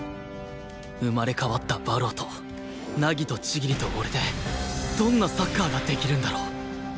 生まれ変わった馬狼と凪と千切と俺でどんなサッカーができるんだろう？